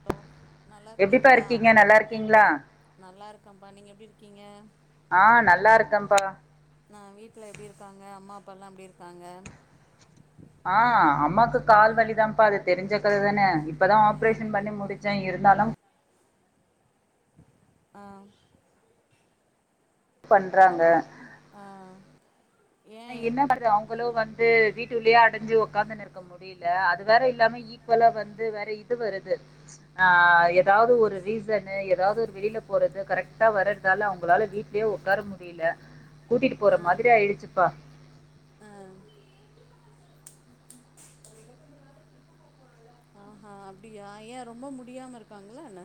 hello எப்டிப்பா நல்லாருக்கிங்ளா இருக்கீங்க நல்லா இருக்கீங்களா நல்லாருக் கம்பா நீங்க எப்டி இருக்கிங்க ஆ நல்லாருக்கம்ப்பா ஆ வீட்ல எப்டி இருக்காங்க அம்மா அப்பாலா எப்டி இருக்காங்க ஆ அம்மாக்கு கால் வலிதாம்ப்பா அது தெரிஞ்ச கதைதான இப்பதா ஆ ஆப்ரேஷன் பண்ணி முடிச்சே இரு ந்தாலும் ஆ பண்றாங்க ஹலோ ஆ ஏ இன்னு கொஞ்சோ அவங்களு வந் து வீட்டுள்ளயே அடஞ்சு உக்காந்துன்னு இருக்க முடியல அது வேற இல்லாம ஈக்குவலா வந்து வேற இது வருது ஆ எதாவுது ஒரு ரீசனு எதாவுது ஒரு வெளில போறது கரெக்ட்டா வர்றதால அவங்களால வீட்லயே உக்கார முடில கூட்டிட்டு போற ஆ மாதிரி ஆயிடுச்சு ப ஆ ஹா அப்டியா ஏ ரொம்ப முடியாம இருக்காங்களா என்ன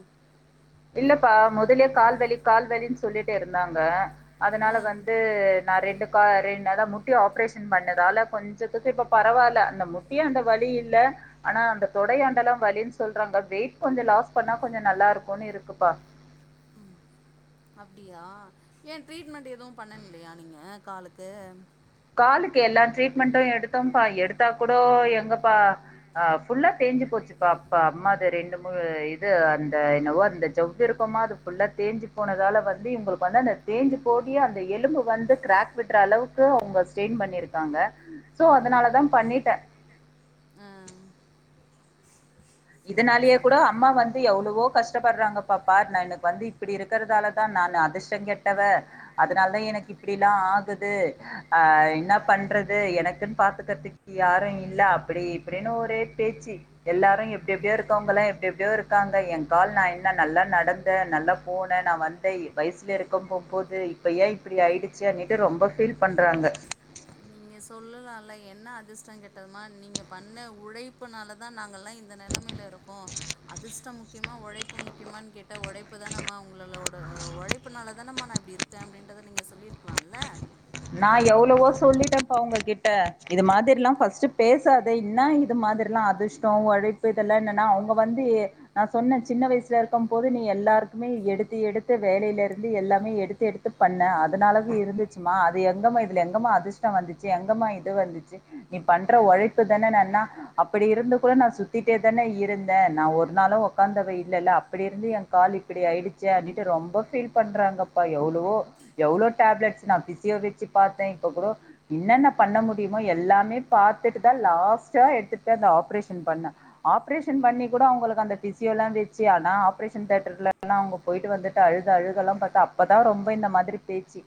இல்லப்பா மொதல்லயே கால்வலி கால்வலின் சொல்லிட்டே இருந்தாங்க அதனால ஆ வந்து நா ரெண்டு க்கா ரெண் அத முட்டி ஆப்ரேஷன் பண்ணதால கொஞ்சத்துக்கு இப்போ பரவால அந்த முட்டியு அந்த வலி இல்ல ஆனா அந்த தொடையாண்டலா வலின் சொல்றாங்க வெயிட் கொஞ்சோ லாஸ் பண்ணா கொஞ்ச நல்லாருக்குன் இருக் குப்பா ம் அப்டியா ஏ ட்ரீட்மெண்ட் எதுவு பண்ணவே இல்லையா நீங்க காலுக்கு காலுக்கு எல்லா ட்ரீட்மெண்ட்டு எடுத்தோம்ப்பா எடுத்தா கூட எங்கப்பா ஆ ஃபுல்லா தேஞ்சு போச்சுப்பா அப்பா அம்மாது ரெண்டு மூ இது அந்த என்னவோ அந்த ஜவ்வு இருக்குமா அது ஃபுல்லா தேஞ்சு போனதால வந்து இவங்களுக்கு வந்து அந்த தேஞ்சு போகி அந்த எலும்பு வந்து கிராக் விடுற அளவுக்கு அவுங்க ஸ்ட்ரைன் பண்ணிருக்காங்க சோ ஆ அதனாலதா பண்ணிட்ட ஆ சரி இதனாலேயே கூட சரி அம்மா வந்து எவ்வளவோ கஷ்டப்படுறாங்கப்பா பாரு நா இனக்கு வந்து இப்படி இருக்கறதாலதா நானு அதிர்ஷ்டங் கெட்டவ அதனாலதா எனக்கு இப்பிடிலா ஆகுது ஆ என்ன பண்றது எனக்குன் பாத்துக்கறதுக்கு யாரு இல்ல அப்டி இப்டின் ஒரே பேச்சு எல்லாரு எப் டி எப்டியோ இருக்கவங்களா எப்டி எப்டியோ இருக்காங்க எ கால் நா என்ன நல்லா நடந்தே நல்லா போனே நா வந்தே வயசுல இருக்க போ போது இப்ப ஏ இப்படி ஆயிடுச்சு அன்னிட்டு ரொம்ப ஃபீல் பண்றாங்க நீங்க சொல்லலால என்ன அதிர்ஷ்டங் கெட்டதுமா நீங்க பண்ண உழைப்புனாலதா நாங்கெல்லா இந்த நெலமைல இருக்கோ அதிர்ஷ்டோ முக்கியமா ஒழைப்பு முக்கியமானு கேட்டா உழைப்பு தானம்மா உங்களுளோடது உழைப்புனால தானம்மா நா இப்டி இருக்கே அப்டின்றத நீங்க சொல்லிருக்கலால்ல நா எவ்வளவோ சொல்லிட்டம்ப்பா அவுங்க கிட்ட இது மாதிரிலா ஃபஸ்ட் பேசாத இன்ன இது மாதிரிலா அதிர்ஷ்டோ ஒழைப்பு இதெல்லா என்னனா அவங்க வந்து நா சொன்னே சின்ன வயசுல இருக்கம்போது நீ எல்லாருக்குமே எடுத்து எடுத்து வேலைல இருந்து எல்லாமே எடுத்து எடுத்து பண்ண அதனாலதா இருந்துச்சும்மா எங்கம்மா இதுல எங்கம்மா அதிர்ஷ்டோ வந்துச்சு எங்கமா இது வந்துச்சு நீ பண்ற உழைப்பு தானேன அப்படி இருந்து கூட நா சுத்திட்டே தானே இருந்தே நா ஒரு நாளு உக்காந்தவ இல்லல அப்படி இருந்து என் கால் இப்டி ஆயிடுச்சே அப்டின்டு ரொம்ப பீல் பண்றாங்கப்பா எவ்ளவோ எவ்ளோ டேப்லெட்ஸ் நா பிசி எதுக்கு பாத்தே இப்போ கூட என்னன்ன பண்ண முடியுமோ எல்லாமே பாத்துட்டுதா லாஸ்ட்ட ஆஹ் எடுத்துட்டு அந்த ஆப்ரேசன் பண்ண ஆப்ரேசன் பண்ணி கூட அவங்களுக்கு அந்த பிசியோல வெச்சு ஆனா ஆப்ரேசன் தியேட்டர்ல அவங்க போயட்டு வந்துட்டு அழுத அழுகல பாத்து அப்பதா ரொம்ப இந்த மாரி பேச்சு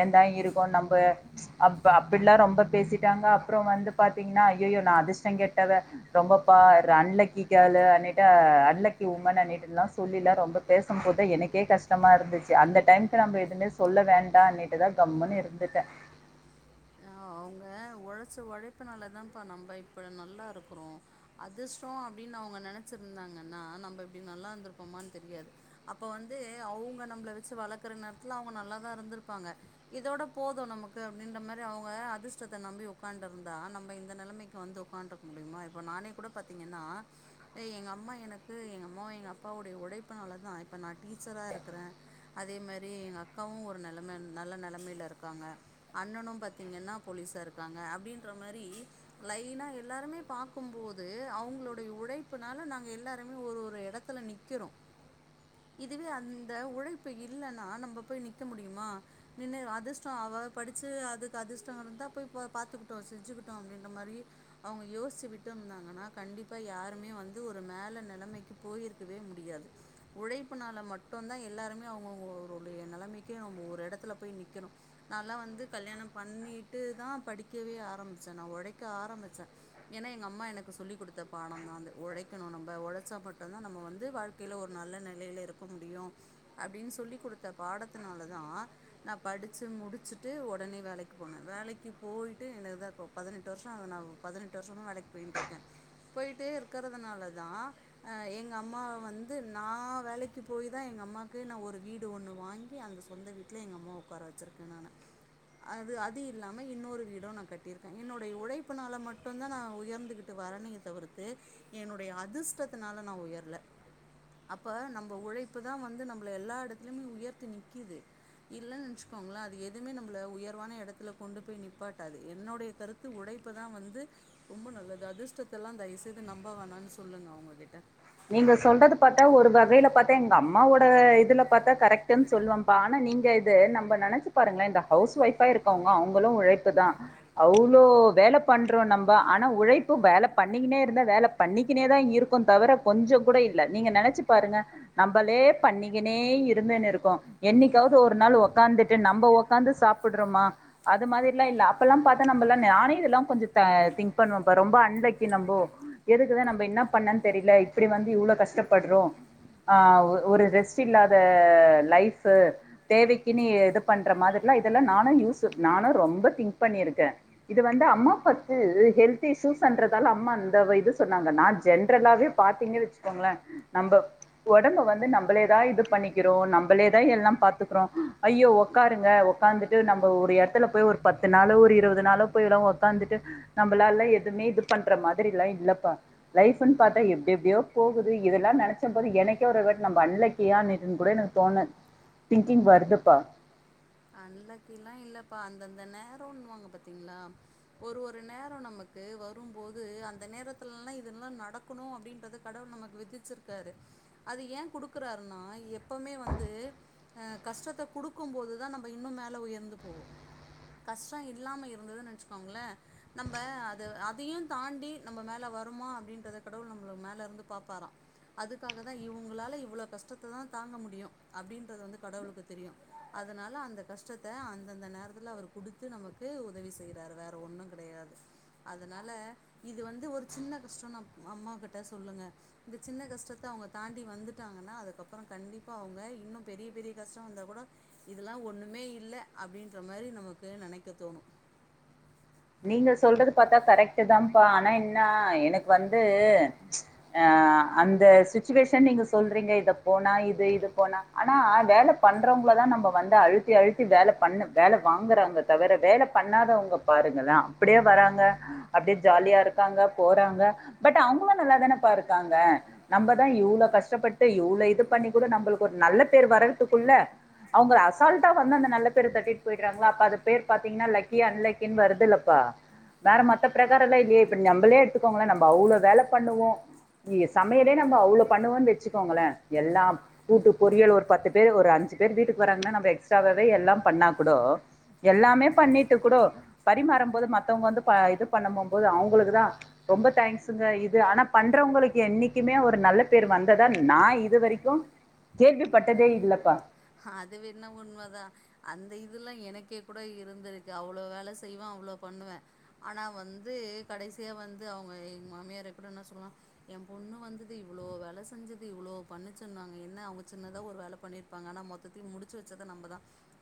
ஏன்ட எ இதுக்கோ நம்பு ப்ச்சு அப்டிலா ரொம்ப பேசிட்டாங்க அப்றோ வந்து பாத்தீங்கன்னா ஐய்யயோ நா அதிர்ஷ்டோ கேட்டவா ரொம்பப் பா ஆன்லக்கி கேர்ள் அன்னிட்டு ஆன்லக்கி வுமேனிட்டு ல சொல்லில ரொம்ப பேசு போத எனக்கே கஷ்டமா இருந்துச்சு அந்த டைம்கு நம்ம ஏதுமே சொல்ல வேண்டான்னிட்டு தா கம்முனு இருந் இருந்துட்ட ஆஹ் அவங்க உழைச்ச உழைப்புனாலதான்ப்ப நம்ம இப்ப நல்லா இருக்குறோ அதிர்ஷ்டோ அப்டின்னு அவங்க நெனச்சிருந்தாங்கன்னா நம்ம இப்டி நல்லா இருந்திருப்போமனு தெரியாது அப்ப வந்து அவங்க நம்மள வெச்சு வளர்க்கற நேரத்தில அவங்க நல்ல தா இருந்திருப்பாங்க இதோட போது நமக்கு அப்டின்ற மாரி அவங்க அதிர்ஷ்ட அத நம்பி உட்காந்துருந்தா நம்ம இந்த நெலமைக்கு வந்து உட்காந்துருக்க முடியுமா இப்போ நானே கூட பார்த்தீங்கன்னா எங்க அம்மா எனக்கு எங்க அம்மாவு எங்க அப்பாவுடைய உழைப்புனால தா இப்போ நா டீச்சரா இருக்குறே அதே மாரி எங்க அக்காவு ஒரு நெலமை நல்ல நெலமையில் இருக்காங்க அண்ணனு பாத்தீங்கன்னா போலீஸா இருக்காங்க அப்டின்ற மாரி லைனா எல்லாருமே பாக்கும்போது அவங்களுடைய உழைப்புனால நாங்க எல்லாருமே ஒரு ஒரு இடத்துல நிக்குறோ இதுவே அந்த உழைப்பு இல்லன்னா நம்ம போய் நிக்க முடியுமா நின்னு அதிர்ஷ்டோ அவ படிச்சு அதுக்கு அதிர்ஷ் ம் இருந்த போய் பாத்துக்கிட்டு செஞ்சுக்கிட்டு அப்டின்ற மாரி அவங்க யோசிச்சு விட்டு இருந்தாங்கனா கண்டிப்பா யாருமே வந்து ஒரு மேல நெலமைக்கு போயிருக்கவே முடியாது உழைப்புனால மட்டும்ந்தா எல்லாருமே அவுங்க அவுங்களுடய நெலமைக்கே நம்ம ஒரு இடத்துல போய் நிக்கிறோ நாலா வந்து கல்யாணோ பண்ணிட்டு ட்டு தா படிக்கவே ஆரம்பிச்சா நா உழைக்க ஆரம்பிச்சா ஏன்னா எங்க அம்மா எனக்கு சொல்லிக் கொடுத்த பாடோ தான் அது உழைக்கணு நம்ம உழைச்சா மட்டுதா நம்ம வந்து வாழ்க்கையில ஒரு நல்ல நெலையில இருக்க முடியு அப்டின்னு சொல்லி கொடுத்த பாடத்னால தா நா படிச்சு முடிச்சுட்டு உடனே வேலைக்கு போன வேலைக்கு போய்ட்டு எனக்குதா இப்போ பதினெட்டு வருசாகுது பதினெட்டு வருஷமா வேலைக்கு போய்ட்டு இருக்கே போயிட்டே இருக்கிறதுனால தா எ எங்க அம்மாவ வந்து நா வேலைக்கு போய் தா எங்க அம்மாக்கே நா ஒரு வீடு ஒன்னு வாங்கி அந்த சொந்த வீட்டில எங்க அம்மாவ உட்கார வச்சிருக்கே நானு அது அது அது இல்லாம இன்னொரு வீடு நா கட்டிருக்கே என்னுடைய உழைப்புனால மட்டும்ந்தா நா உயர்ந்துகிட்டு வரணே தவிர்த்து என்னுடைய அதிர்ஷ்டத்தினால நா உயர்ல அப்ப நம்ம உழைப்பு தா வந்து நம்மள எல்லா இடத்துலயுமே உயர்த்தி நிக்குது இல்லனா நெனச்சுக்கோங்களே அது எதுவுமே நம்மள உயர்வான இடத் த்துல கொண்டு போய் நிப்பாட்டாது என்னுடைய கருத்து உழைப்புதா வந்து ரொம்ப நல்லது அதிர்ஷ்டத்தெல்லா தயவுசைது நம்ப வோனான்னு சொல்லுங்க அவங்ககிட்ட நீங்க சொல்றது பாத்தா ஒரு வகைய்ல பாத்தா எங்க அம்மாவோட இதுல பாத்தா கரெக்டன்னு சொல்லுவம்பா ஆனா நீங்க இது நம்ம நெனச்சு பாருங்களே இந்த ஹவுஸ் ஒய்ஃபா இருக்கவங்க அவங்களு உழைப்பு தா அவளோ வேல பண்றோ நம்ப ஆனா உழைப்பு வேல பண்ணிகினே இருந்தா வேல பண்ணிகினே தா இருப்ப தவர கொஞ்ச கூட இல்ல நீங்க நெனச்சு பாருங்க நம்மளே பண்ணிகினே இருந்தேன்னு இருக்கு என்னிக்காவது ஒரு நாள் உக்காந்துட்டு நம்ப உக்காந்துட்டு சாப்புடுறமா அது மாரில்லா இல்ல அப்பெல்லா பாத்தா நம்பெல்லா நானே இதெல்லாம் கொஞ்ச திங்க் பண்ணுவம்பா ரொம்ப அன்லக்கி நம்போ எதுக்குதா நம்ம என்ன பண்ணன்னு தெரில இப்டி வந்து இவ்ளோ கஷ்டபட்றோ ஹ் ஒரு ரெஸ்ட் இல்லாத லைஃப் தேவைக்குன்னு இது பண்ற மாதிரிலாம் இதெல்லாம் நானும் யூஸ் நானும் ரொம்ப திங்க் பண்ணியருக்க இது வந்து அம்மா அப்பாக்கு ஹெல்த் இஸ்சூயன்றதால அம்மா அந்த இது சொன்னாங்க நா ஜென்ரலாவே பாத்தீங்க வெச்சுக்கோங்களே நம்ம உடம்ப வந்து நம்பளேதா இது பண்ணிகிறோ நம்பளேதா எல்லா பாதுகுறோ ஐயோ உக்காருங்க உக்காந்துட்டு நம்ம ஒரு எடத்துல போய் ஒரு பத்து நாளோ ஒரு இருபது நாளோ போய்ல்லா உக்காந்துட்டு நம்பளால எதுமே இது பண்ற மாரி எல்லா இல்லப்பா லைஃப்ன்னு பாத்தா எப் எப்டியோ போகுது இதெல்லாம் நெனச்ச போது எனக்கே ஒரு வாட்டி நம்ப அன்லக்கியாட்டுன்னு கூட எனக்கு தோண திங்கிங் வருதுப்பா அன்லக்கிலா இல்லப்பா அந்தந்த நேரனுவாங்க பாதீங்களா ஒரு ஒரு நேரம் நமக்கு வரும்போது அந்த நேரத்துலல்லா இதெல்லாம் நடக்கணும் அப்டின்றது கடவுள் நமக்கு விதிச்சிருக்காரு அது ஏன் குடுக்குறாருன்னா எப்பமே வந்து அஹ் கஷ்டத்தை குடுக்கும் போதுதா நம்ம இன்னும் மேல உயர்ந்து போவோம் கஷ்டம் இல்லாம இருந்ததுன்னா வெச்சிகோங்களே நம்ம அத அதையும் தாண்டி நம்ம மேல வருமா அப்டின்றத கடவுள் நமல மேல இருந்து பாப்பாரா அதுக்காகாதா இவங்களால இவ்ளோ கஷ்டத்த தா தாங்க முடியும் அப்டின்றது வந்து கடவுளுக்கு தெரியும் அதனால அந் ந்த கஷ்டத்த அந்த அந்த நேரத்துல அவர் கொடுத்து நமக்கு உதவி செய்றாரு வேற ஒன்னு கெடயாது அதனால இது வந்து ஒரு சின்ன கஷ்டம் அம்மா கிட்ட சொல்லுங்க இந்த சின்ன கஷ்டத்த அவங்க தாண்டி வந்துட்டாங்கன்னா அதுக்கபுறம் கண்டிப்பா அவங்க இன்னு பெரிய பெரிய கஷ்டம் வந்த கூட இதுல்லாம் ஒண்ணு மே இல்ல அப்டின்ற மாரி நமக்கு நெனைக்க தோணு நீங்க சொல்றது பாத்தா கரெக்ட் தாப்பா ஆனா என்ன எனக்கு வந்து அந்த சுச்சுவேஷன் நீங்க சொல்றீங்க இத போனா இது இது போனா ஆனா வேல பண்றவங்கள தா நம்ம வந்து அழுத்தி அழுத்தி வேல பண்ணு வேல வாங்குறாங்க தவர வேல பண்ணாதவங்க பாரு அப்டியே வராங்க அப்டியே ஜாலியா இருக்காங்க போறாங்க பட் அவங்க நல்லா தானப்பா இருக்காங்க நம்ப தா இவ்ளோ கஷ்டபட்டு இவ்ளோ இது பண்ணி கூட நம்பலுக்கு ஒரு நல்ல பேர் வர்றதுக்குள்ள அவங்க அசால்டா வந்து அந்த நல்ல பேர் தட்டிட்டு போய்ட்ராங்கலா அது பேர் பாத்திங்கனா அது லக்கி அன்லக்கி வருது [unintelligible] ப்பா வேற மத்த பிரகாரம்ல்லாம் இல்லயே இப்ப நம்பளே எடுத்துக்கோங்க நம்ப அவ்ளோ வேல பண்ணுவோ இ சமையலே நம்ம அவ்ளோ பண்ணுவோ வெச்சுக்கோங்களே எல்லாம் கூட்டு பொரியல் ஒரு பத்து பேர் ஒரு அஞ்சு பேர் வீட்டுக்கு வர்றாங்கன்னா நம்ம எக்ஸ்ட்ராவே எல்லா பண்ணா கூட எல்லாமே பண்ணிட்டு கூட பரிமாறும் போது மத்தவங்க வந்து ப இது பண்ணும் போது அவங்களுக்கு தா ரொம்ப தேங்ஸுங்க இது ஆனா பண்றவங்களுக்கு என்னிக்குமே ஒரு நல்ல பேர் வந்ததா நா இது வரைக்கும் கேள்விப்பட்டதே இல்லப்பா அது வேன உண்மதா அந்த இதுல்லா எனக்கே கூட இருந்திருக்கு அவ்ளோ வேல செய்வோ அவ்ளோ பண்ணுவே ஆனா வந்து கடைசியா வந்து அவங்க எ மாமியார் எப்படினா சும்மா என் பொண்ணு வந்துது இவ்ளோ வேல செஞ்சுது இவ்ளோ பண்ணுச்சுன்னுவாங்க என்ன அவங்க சின்னதா ஒரு வேல பண்ணி ப்பாங்க ஆனா மொத்தையும் முடிச்சு வெச்சதது நம்மதா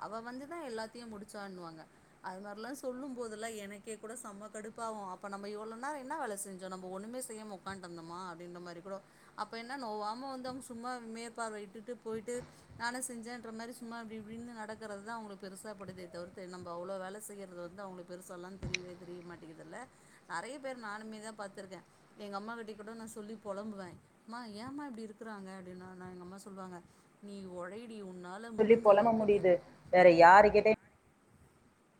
அவ வந்துதா எல்லாத்தையும் முடிச்சான்னு வாங்க அது மாரில்லாம் சொல்லும் போதுல்ல எனக்கே கூட செம்ம கடுப்பாவு அப்ப நம்ப எவ்ளோ நேரம் என்ன வேல செஞ்சோ நம்ம ஒண்ணுமே செய்யமா உக்கான்டு இருந்தோமா அப்டின்ற மாரி கூட அப்ப என்ன நோவாமவந்து அவங்க சும்மா மேப்பார்வ இட்டு போய்ட்டு நானு செஞ்சேன்ற மாரி சும்மா இப்டி இப்டின்னு நடக்கறிறதுதா அவங்களுக்கு பெருசா படுது தவிர்த்து நம்ப அவ்ளோ வேல செய்யறது வந்து அவங்களுக்கு பெருசா எல்லா தெரியவே தெரிய மாட்டேங்கதில்ல நெறய பேர் நானுமே தா பாத்துருக்க எங்க அம்மா கிட்டி கூட நா சொல்லி புழம்புவே அம்மா ஏன்மா இப்டி இருக்குறாங்க அப்டின்னா நா எங்க அம்மா சொல்லுவாங்க நீ ஒழை சொல்லி பொலம்ப முடியுது வேற யாருகிட்டயு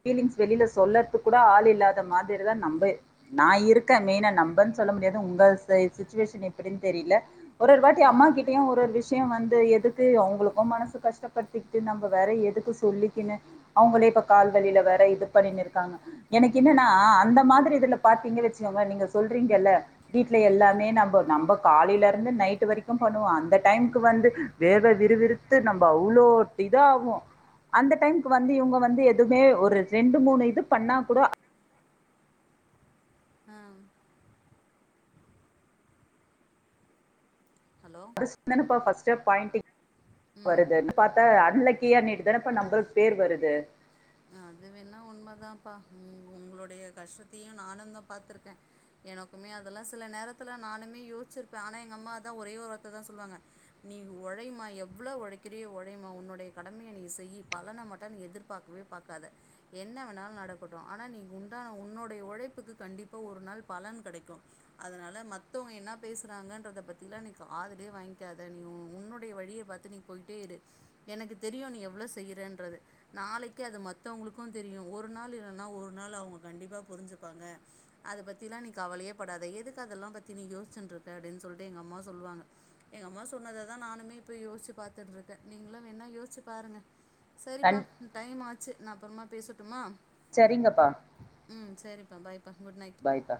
பீலிங்ஸ் வெளில சொல்லறது கூட ஆள் இல்லாத மாரிதா நம்ம நா இருக்கே மெய்னா நம்மன்னு சொல்ல முடியாது உங்க சுச்சுவேஷன் எப்டின்னு தெரில ஒரு ஒரு வாட்டி அம்மா ம் கிட்டயு ஒரு ஒரு விஷயம் வந்து எதுக்கு அவங்களுக்கும் மனசு கஷ்டப்படுத்திட்டு நம்ம வேற எதுக்கு சொல்லிக்கினு அவங்களே இப்ப கால் வழில வேற இது பண்ண இருக்காங்க எனக்கு என்னன்னா அந்த மாரி இதுல பாத்தீங்க வெச்சுக்கோங்க நீங்க சொல்றீங்கல்ல வீட்ல எல்லாமே ந நம்ப காலில இருந்து நைட் வரைக்கு பண்ணுவோ அந்த டைக்கு வந்து வேர்வ விறுவிருத்து நம்ம அவ்ளோ இதா ஆகும் அந்த டைமுக்கு வந்து இவங்க வந்து துமே ஒரு ரெண்டு மூணு இது பண்ணா கூட ஆஹம் ஹலோ [unintelligible] பாய்ண்டிங் ம் வருதுன்னு பாத்தா நலக்கியா நீட்டு தாப்பா நம்பளுகு பேர் வருது அது வேணா உண்மைதாப்ப உ உங்களுடய கஷ்டத்தையும் நானும் தா பாத்திருக்க எனக்குமே அதெல்லாம் சில நேரத்துல நானுமே யோசிருப்ப ஆனா எங்க அம்மா தா ஒரே ஒரு வார்த தா சொல்லுவாங்க நீ ஒழைமா எவ்ளோ ஒழைக்கிறோ ஒழைமா உன்னுடைய கடமைய நீ செய் பலனை மட்டும் நீ எதிர்பாக்கவே பாகாத என்ன வேணாலு நடக்கட்டு ஆனா நீ உண்டான உன்னேடய உழைப்புக்கு கண்டிப்பா ஒரு நாள் பலன் கெடைக்கு அதுனால மத்தவங்க என்ன பேசுறாங்கன்றத பத்தில நீ காதுலயே வாங்காத நி உன்னுடைய வழிய பார்த்து நீ போய்ட்டே இரு எனக்கு தெரியு நீ எவ்ளோ செய்யறன்றது நாளைக் அது மத்தவங்களுக்கு தெரியு ஒரு நாள் இல்லன்னா ஒரு நாள் அவங்க கண்டிப்பா புரிஞ்சுப்பாங்க அத பத்தி எல்லா நீ கவலயேபடாத எதுக்கு அதெல்லா பத்தி நீ யோச்சுன்டு இருக்க அப்டின்னு சொல்லிட்டு எங்க அம்மா சொல்லுவாங்க எங்க அம்மா சொன்னததா நானுமே இப்ப யோசிச்சு பாத்துட்டு இருக்க நீங்களு வேன்ன யேச்சு பாருங்க சேரிப்பா கண் ச்சு நா அப்புறமா பேசட்டுமா சரிங்கப்பா [unintelligible] பாய் [unintelligible] குட் நைட் பாய்ப்பா